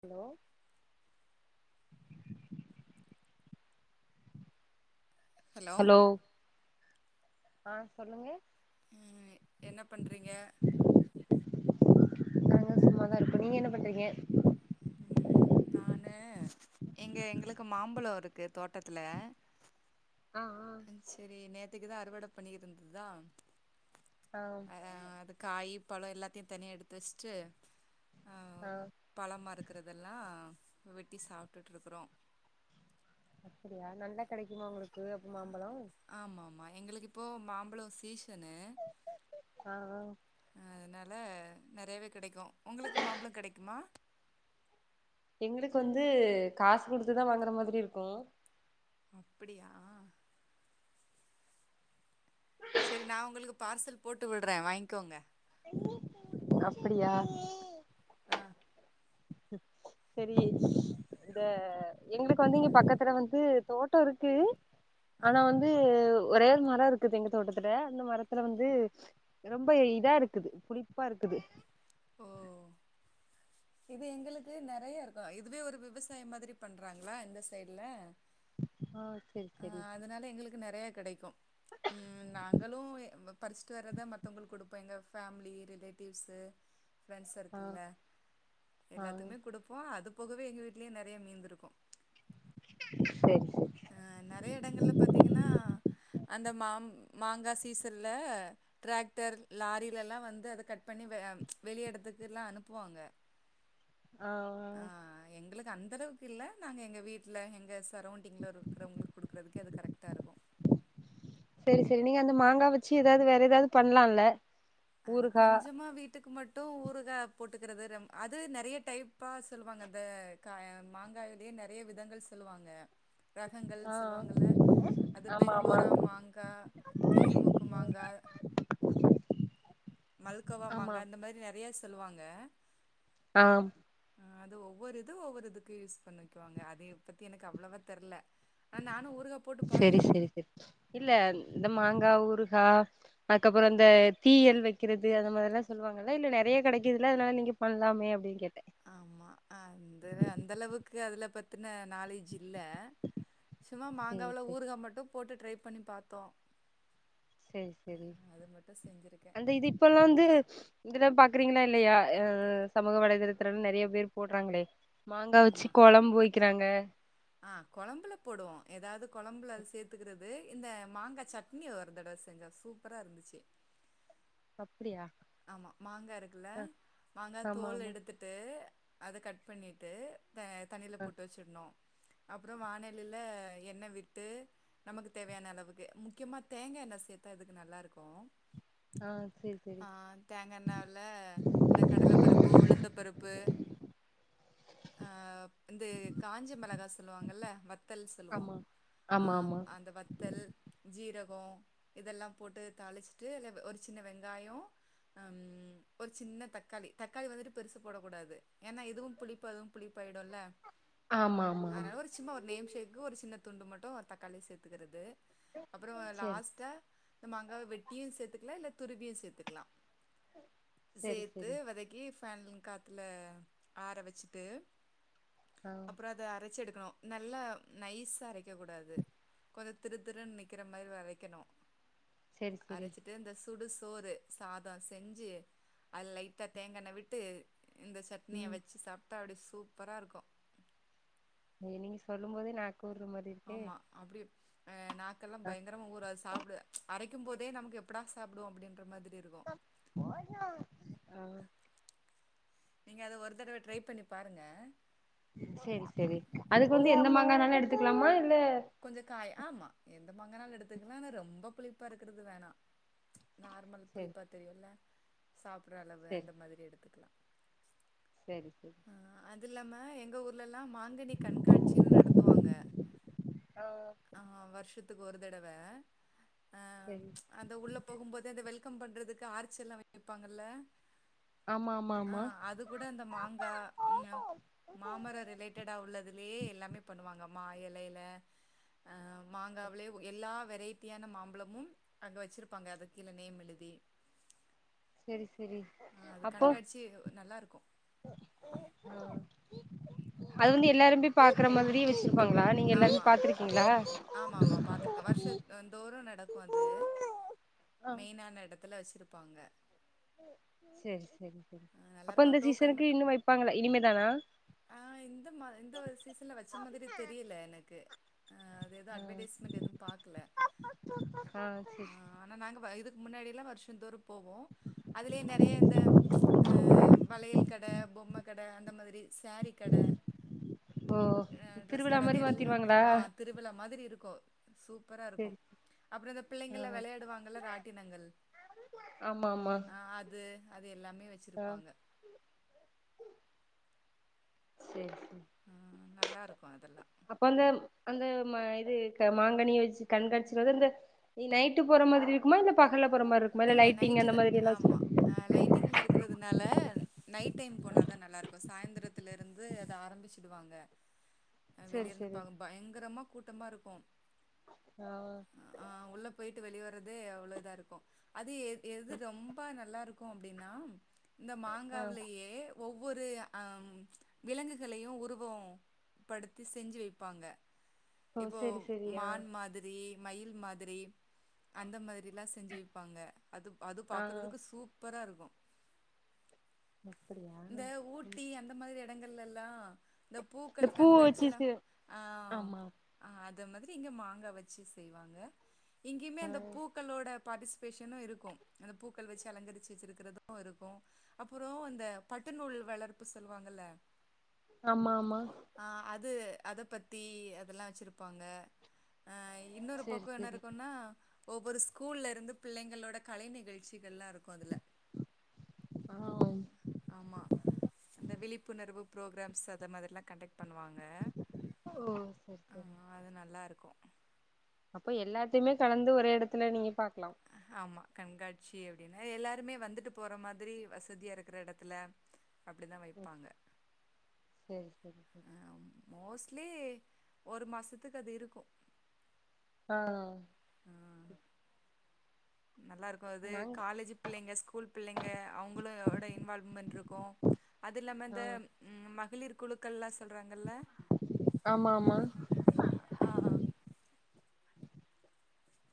Hello hello ஆஹ் சொல்லுங்கே உம் என்ன பண்றீங்க நாங்க சும்மாதா இருக்கோ நீங்க என்ன பண்றீங்க உம் நானு எங்க எங்களுக்கு மாம்பழொ இருக்கு தோட்டத்துல ஆ ஆ சரி நேத்துக்குதா அறுவட பண்ணி இருந்ததா ஆ அஹ் அது காய் பழொ எல்லாத்தையு தனியாக எடுத்து வச்சுட்டு ஹ ஆ பழமா இருக்கறதெல்லா வெட்டி சாப்ட்டுட்டு இருக்குறோ அப்டியா நல்லா கெடைக்குமா உங்களுக் கு மாம்பழொ ஆமா ஆமா எங்களுக்கு இப்போ மாம்பழொ சீசனு ஆஹ அனால நெறையவே கெடைக்கு உங்களுக்கு மாம்பழொ கெடைக்குமா எங்களுக்கு வந்து காசு குடுத்துதா வாங்குற மாதிரி இருக்கு அப்புடியா சரி நா உங்களுக்கு பார்சல் போட்டு விடுற வாங்கிக்கோங்க அப்படியா ஆ சரி இந்த எங்களுக்கு வந்து இங்க பக்கத்துல வந்து தோட்டொ இருக்கு ஆ ஆனா வந்து ஒரே ஒரு மரோ இருக்குது எங்க தோட்டத்துல அந்த மரத்துல வந்து ரொம்ப இதா இருக்குது புளிப்பா இருக்குது ஓ இது எங்களுக்கு நெறயா இருக்கு இதுவே ஒரு விவசாயம் மாதிரி பண்றாங்ளா இந்த சைடுல ஆஹ் அஹ் அதனால எங்களுக்கு நெறயா கெடைக்கு உம் நாங்களு பரிச்சுட்டு வர்றத மத்தவங்களுக்கு குடுப்போ எங்க ஃபேமிலி ரிலேட்டிவ்ஸு ஃப்ரெண்ட்ஸ் ஆ சர்க்கிளில்ல ஆ எல்லாத்துக்குமே குடுப்போ அது போகவே எங்கள் வீட்லயே நெறயா மீந்திருக்கு சரி அஹ் நெறய இடங்கள்ல பாத்தீங்கன்னா அந்த மாம் மாங்கா சீசன்ல டிராக்டர் லாரில எல்லா வந்து அத கட் பண்ணி ப்ச் வெளிய எடத்துக்கு எல்லா அனுப்புவாங்க ஆஹ் ங்க அந்த அளவுக்கு இல்ல நாங்க எங்க வீட்ல எங்க சர் இங்க இருக்கிறவங்களுக்கு குடுக்கிறதுக்கே அது கரெக்ட் டா இருக்கு சரி சரி நீங்க அந்த மாங்கா‌ வெச்சு எதாவது வேற எதாவது பண்லால்ல அது கொஞ்சமா வீட்டுக்கு மட் டு ஊறுகா போட்டுக்கிறது ர அது நெறய டைப்பா சொல்லுவாங்க அந்த கா மாங்காய்லயே நெறய விதங்கள் சொல்வாங்க ரகங்கள் ஆ சொல்வாங்கள்ல அது ஆமா ஆமா பெங்களூரா மாங்கா கிளிமூக்கு மாங்கா ஆமா மல்கோவாமாங்கா அந்த மாரி நெறயா சொல்வாங்க ஆம் அது ஒவ்வொரு இது ஒவ்வொருதுக்கு யூஸ் பண்ணிக்குவாங்க அத பத்தி எனக்கு அவ்வளவா தெர்ல ஆனா நானும் ஊறுகா போட்டு பாத்தே. செரி செரி செரி இல்ல இந்த மாங்கா ஊர் கா அதுக்கப்புறோ அந்த தீயல் வெக்கிறது அந்த மாரி எல்லா சொல்லுவாங்கல்ல இல்ல நெறயா கெடைக்குதுல்ல அதனால நீங்க பண்ணலாமே அப்டின்னு கேட்ட ஆமா அந்த அந்த அளவுக்கு அதுல பத்தின நாலேஜ் இல்லை சும்மா செரி மாங்காவல செரி ஊறுகா மட்டு போட்டு ட்ரை பண்ணி பாத்தோ செரி செரி செஞ்சிருக்கேன் அந்த இது இப்ப எல்லா வந்து இதெல்லாம் பா க்குறீங்ளா இல்லயா எ சமூக வலைதளத்தலல்லா நெறயா பேர் போடுறாங்களே மாங்கா வெச்சு கொழம்பு வெக் இருக்கிறாங்க ஆஹ் கொழம்புல போடுவோ எதாவது கொழம்புல சேர்த்துக்கிறது இந்த மாங்கா சட்னி ஒரு தடவ செஞ்சோ சூப்பரா இருந்துச்சு அப்படியா ஆமா மாங்கா இருக்கில்ல மாங்கா ஆமா தோல் ஆமா எடுத்துட்டு அத கட் பண்ணிட்டு த தண்ணியில ஆ போட்டு வெச்சிடணு அப்புறோம் வானெலைல எண்ணெ விட்டு நமக்கு தேவயான அளவுக்கு முக்கியமா தேங்கா எண்ணெ சேத்தா அதுக்கு நல்லா இருக்கு ஆ சேரி ஆ தேங்காயண்ணல இந்த கடலைப்பருப்பு உளுந்த பருப்பு ஆ இந்த காஞ்ச மிளகா சொல்லுவாங்கள்ல வத்தல் சொல்லுவோம் ஆமா ஆ ஆமா ஆமா அந்த வத்தல் ஜீர கோம் இதெல்லாம் போட்டு தாளிச்சிட்டு இல்ல ஒரு சின்ன வெங்காயோ ம் ஒரு சின்ன தக்காளி தக்காளி வந்துட்டு பெருசு போடக்கூடாது ஏன்னா இதுவும் புளிப்பு அதுவும் புளிப்பாயிடுல்ல ஆமா ஆமா ஆமா அதனால ஒரு சும்மா நேம்ஃபேக்கு ஒரு சின்ன துண்டு மட்டும் ஒரு தக்காளி சேத்துக்கறது அப்பறோ செரி லாஸ்ட்டா அ மாங்காவ வெட்டியும் சேத்துக்கலாம் இல்ல துருவியும் சேத்துக்கலாம் செரி சேத்து செரி வதக்கி ஃபேன் காத்துல ஆற வச்சுட்டு ஆ அப்பறோ அத அரைச்சு எடுத் க்கணு நல்ல நைஸா அரைக்கக்கூடாது கொஞ்சோ திரு திருன்னு நிற்கிற மாரி அரைக்கணு செரி செரி அரச்சிட்டு இந்த சுடுசோறு சாதோ செஞ்சு அதுல லைட்டா தேங்கண்ண விட்டு இந்த சட்னிய ம் வச்சு சாப் ப்ட்டா அப்டி சூப்பராக இருக்கும் நீங்க சொல்லும் போதே நா ஊறுற மாரி இருக்கே ஆ நா கெல்லாம் பயங்கரமா ஊற சாப் அரைக்கும் போதே நமக்கு எப்படா சாப்டுவோ அப்டின்ற மாதிரி இருக்கும் ஆ நீங்க அத ஒரு தடவ ட்ரை பண்ணி பாருங்க சேரி சேரி அதுக்கு வந்து எந்த மாங்கானாலும் எடுத்துக்கலாமா இல்ல கொஞ்சோ காய் ஆமா மங்கானாலு எடுத்துக்கலாம் ஆனா ரொம்ப புளிப்பா இருக்குறது வேணா நார்மல் செரி புளிப்பா தெரியும்ல்ல சாப் புட்ற அளவு அந்த மாதிரி எடுத்துக்கலாம் சேரி சேரி இதுல்லாம எங்க ஊர்லல் மாங்கனி கண்காட்சின்னு நடத்துவாங்க ஆ ஆ வர்ஷ தத்துக்கு ஒரு தடவ ஆஹ் செரி ச் அந்த உள்ள போகும்போது அந்த வெல் கம் பண்றதுக்கு ஆர்ச்செல்லா [inaudible] பாங்கல்ல ஆமா ஆமா ஆமா ஆஹ் அது கூட இந்த மாங்கா ஹ்எ மாமர ரிலேட்டடா உள்ளதுலயே எல்லாமே பண்ணுவாங்க மா எலைல அஹ் மாங்காவுலே எல்லா வெரைட்டியான மாம்பழமு அங்க வச்சிருப்பாங்க அது கீழ நேம் எழுதி சரி சரி ஆ அது அப்போ கண்காட்சி நல்லா இருக்கு ஆஹ் அது வந்து எல்லாருமே பாக்குற மாதிரி வெச்சி ஆமா ஆமாமா பாத்துருக்கே வருஷத் அந் தோறு நடக்கு அது மெயினான எட த்துல வச்சிருப்பாங்க சரி ச நல்லா இருக்கா டோக்கன் மட்டும் வைப்பாங்களா இனிமேதானா ஹ இந்த மா இந்த சீசன்ல வச்ச மாதிரி தெரியல எனக்கு ஆ அது எதும் ம் அட்வடைஸ்மன்ட் எதும் பாக்கல ஆ ஆனா நாங்க பா இது முன்னாடிலா வருஷோந்தோறும் போவோ அதுலயே நெறைய இந்த ச் ஆ வளையல் கட பொம்ம கட அந்த மாதிரி ஸாரீ கட ஓ ஆ ட்ரெஸ் திருவிழா கட அது மாரி எல்லாமே மாத்திருவாங்களா ஆ திருவிழா மாதிரி இருக்கு சூப்பரா இருக்கு சரி அப்பறொ இந்த ஆ பிள்ளைங்களா விளையாடுவாங்களா ராட்டினங்கள் ஆமா ஆமா அ அது அது எல்லாமே ஆ வச்சிருப்பாங்க சரி ஆ, நல்லா இருக்கும் அதெல்லாம் அப்ப அந்த அந்த ம இது க மாங்கனிய வச்சு கண்காட்சி வந்து இந்த இ நைட்டு போற மாதிரி இருக்குமா இல்ல பகல்ல போற மாரி இருக்குமா இல்ல லைட்டிங் அந்த நைட்டுதா மாதிரி எல்லா வச்சு ஆமா ஆ லைட்டிங்லா இருக்கறது னால நைட் டைம் போனாதா நல்லா இருக்கு சாயந்திரத்துலருந்து அத ஆரம்பிச்சிடுவாங்க அ சரி வெளியருந்து சரி பா பயங்கரமா கூட் ட்டமா இருக்கு ஆ ஆஹ் உள்ள போயிட்டு வெளிய வர்றதே அவ்வளோ இதா இருக்கு அது எது எது ரொம்பா நல்ல லாருக்கு அப்டின்னா இந்த ஆ மாங்காவ்லயே ஒவ் ஒவ்வொரு ஆ விலங்குகளையு உருவொ படுத்தி செஞ்சு வைப்பாங்க ஓ இப்போ சரி சரி ஆ மான் மாதிரி மயில் மாதிரி அந்த மாதிரிலா செஞ்சு வை ப்பாங்க அது அது ஆ பாக்கறதுக்கு சூப்பரா இருக்கு அப்படியா இந்த ஊட்டி அந்த மாரி டங்கள் எல்லா இந்த பூக்கள் பூ வச்சு கண்காட்சிலா ச ஆ ஆமா ஆ ஆ அந்த மாதிரி இங்க மாங்கா வச்சு செய்வாங்க இங்யுமே ஆ அந்த பூக்களோட [unintelligible] [unintelligible] இருக்கு அந்த பூக்கள் வச்சு அலங்கரிச்சி வச்சிருக்கிறது இருக்கு அப்றோ அந்த பட்டுநூல் வளப்பு சொல்லுவாங்கல்ல ஆமா ஆமா அத பத்தி அதெல்லா வச்சிருப்பாங்க ஆ இன்னொரு சரி பக்கோ என்ன சரி இருக்குன்னா ஒவ்வொரு ஸ்கூல்லேருந்து பிள்ளைங்களோட கலை நிகழ்ச்சிகள்லாருக்கு க்கு அதுல ஆ ஆமா அந்த விழிப்புணர்வு ப்ரோக்ராம்ஸ் அத மாதிரிலா கண்டெக் பண்ணுவாங்க ஓ சரி ஆ சரி அது நல்லாருக்கு இப்ப எல்லாத்தையுமே கலந்து ஒரே எடத்துல நீங்க பாக்கலா ஆமா கண்காட்சி அப்டினு எல்லாருமே வந்துட்டு போற மாதிரி வசதியா இருக்கற எடத்துல அப்டிதா வைப்பாங்க சேரி [inaudible] லி ஒரு மாசத்துக்கு அது இருக்கு ஆ ஆ நல்லாருக்கு அது நாங் காலேஜ் புள்ளைங்க ஸ்கூல் புள்ளைங்க அவங்களோட இன்வால்வ்மென்ட் இருக்கு அது இல்லாம ஆ இந்த ஆ மகளிர் குழுக்கள் லா சொல்றாங்கல்ல ஆமா ஆமா ஆ ஆ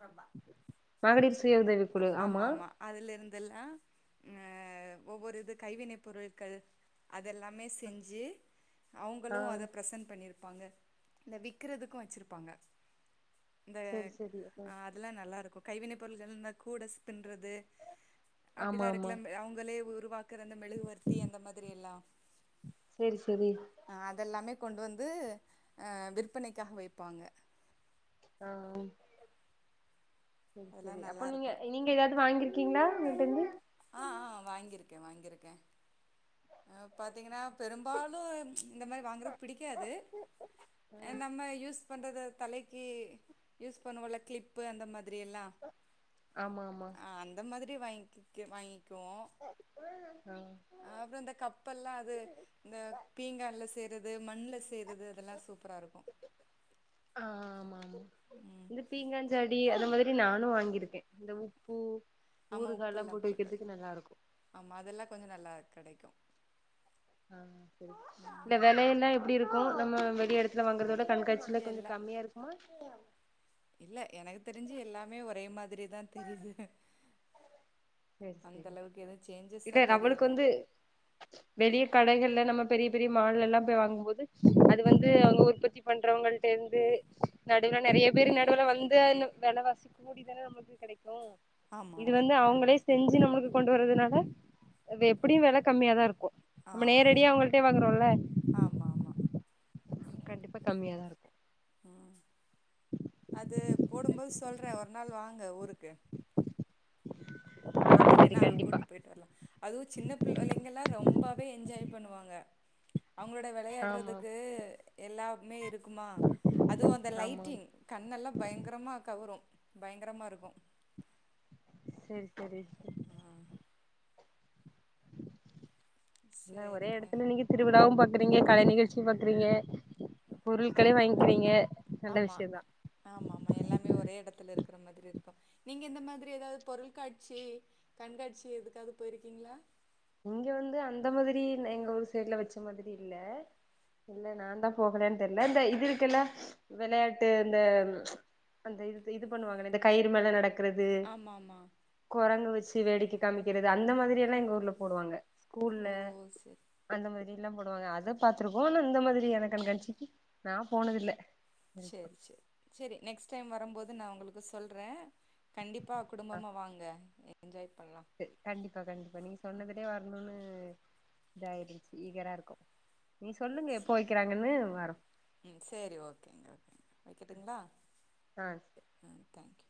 ரொம்ப மகளிர் சுய உதவி குழு ஆமா அதெல்லா ஆ ஒவ்வொரு இது கைவினை பொருட்கள் அதெல்லாமே செஞ்சு அவங்களு ஆ அத பிரசென்ட் பண்ணிரு ருப்பாங்க இந்த விக்கறதுக்கு வச்சிருப்பாங்க இந்த சேரி சேரி அதெல்லா நல்லாருக்கு கைவினை பொருள்கள் இந்த [unintelligible] ஆமா அப்டிதா ஆமா இருக்கல அவங்களே ஒரு [unintelligible] இருள மெழுகுவர்த்தி அந்த மாதிரி எல்லாம் சேரி சேரி அதெல்லாமே கொண்டு வந்து விற்பனைக்காக வைப்பாங்க ஆஹ் சரி அதெல்லா சரி அப்போ நல்லா நீங்க இருக்கு நீங்க ஏதாவது வாங்கிரு இருக்கீங்களா வீட்டுருந்து ஆஹ் ஆஹ் வாங்கியிருக்கேன் வாங்கியிருக்கேன் அக்க [inaudible] பார்த்தீங்கன்னா பெரும்பாலும் இந்த மாதிரி வாங்கறது பிடிக்காது நம்ம யூஸ் பண்ணுறது தலைக்கு யூஸ் பண்ணுவம் இல்ல கிளிப்பு அந்த மாதிரி எல்லாம் ஆமா ஆமா ஆ அந்த மாதிரி [unintelligible] வாங்கிக்குவோம் ஆ அப்புறம் இந்த கப்பெல்லாம் அது இந்த பீங்கான்ல செய்யறது அது மண்ணல செய்றது அதெல்லாம் சூப்பரா இருக்கும் ஆ ஆமா ஆமா இந்த பீங்காஞ்சாடி அந்த மாதிரி நானும் வாங்கியிருக்கேன் இந்த உப்பு ஆமா உப்பு ஊறுகால்லா எல்லாம் போட்டு வைக்கிறதுக்கு நல்லா இருக்கு ஆமா அதெல்லாம் கொஞ்சம் நல்லா கிடைக்கும் இல்ல ம் விலைய எல்லாம் எப்படி இருக்கும் நம்ம வெளி இடத்துல வாங்கறத விட கண்காட்சியில் கொஞ்சம் எல்லா கம்மியாக இருக்குமா இல்ல எனக்கு தெரிஞ்சு எல்லாமே ஒரே மாதிரிதா தெரியுது சரி அந்த சரி அளவுக்கு எதுவு சேஞ்சஸா இல்ல அவளுக்கு தெரியல வந்து வெளிய கடைகள்ல நம்ம பெரிய பெரிய மால் எல்லாம் போய் வாங்கும்போது அது வந்து அங்க உற்பத்தி பண்றவங்களிட்ட இருந்து நடுவுல நிறைய பேர் நடுவுல வந்து அந்த வெல வாசிக கூடிதானே நமளுக்கு கிடைக்குது ஆமா இது ஆமா வந்து அவங்களே செஞ்சு நம்மளுக்கு கொண்டு வரறதுனால அது எப்படியும் வில கம்மியா தா இருக்கும் ஆ நம்ம நேரடியா அவங்கள்டேயே வாங்கறோம்ல ஆ ஆமா ஆமா கண்டிப்பா கம்மியாதா இருக்கும் உம் அது போடும்போது சொல்றேன் ஒரு நாள் வாங்க ஊருக்கு ஆ சரி பாத்தீங்கன்னா கண்டிப்பா கூட்டு போயிட்டு வரலாம் அதுவும் சின்ன பிள்ளள்ளைங்கல்லாம் ரொம்பவே என்ஜாய் பண்ணுவாங்க அவங்களோட ஆமா விளையாடுறதுக்கு எல்லாமே இருக்கு க்குமா அதுவும் அந்த ஆமா லைட்டிங் கண்ணெல்லாம் பயங்கரமா கவரும் பயங்கரமா இருக்கும் சரி சரி உம் என்ன ஒரே சேரிங்க இடத்துல நீங்க திருவிழாவும் பா பாக்றீங்க கலை நிகழ்ச்சி பாக்குறீங்க அ பொருட்களையும் வாங்கிக்கிறீங்க நல்ல ஆமா விஷயம் தான் கிற மாதிரி இருக்கும் நீங்க இந்த மாதிரி ஏதாவது பொருள்காட்சி கண்காட்சி எதுக்காவது போயிருக்கீங்களா இங்க வந்து அந்த மாதிரி எங்க ஊர் சைடுல வச்ச மாதிரி இல்ல இல்ல நான் தான் போகலேன்னு தெரியல இந்த இது இருக்கில்ல விளையாட்டு அ அந்த இது இது பண்ணுவாங்களே இந்த கயிறு மேல நடக்க கிறது ஆமாமா குரங்கு வச்சு வேடிக்கை காமிக்கிறது அந்த மாதிரி எல்லாம் எங்க ஊர்ல போடுவாங்க ஸ்கூல்ல ஓ சரி அந்த மாதிரி எல்லாம் போடுவாங்க அத பாத்துருக்கோம் ஆனா இந்த மாதிரி எனக்கு கண்காட்சிக்கு நான் போனது இல்ல சரி சரி சரி நெக்ஸ்ட் டைம் வரும் போது நா உங்களுக்கு சொல்றேன் கண்டிப்பா குடும்பமா வாங்க பஞ்சாயத் கண்டிப்பா கண்டிப்பா நீங்க சொன்னதுட்டே வரணும்னு இதாயிடுச்சு ஈகரா இருக்கும் நீ சொல்லுங்க எப்போ வைக்கிறாங்கன்னு வரம் உம் சரி ஓகேங்க ஓகேங்க வைக்கட்டுங்களா ஆஹ் ம் தேங்க்யூ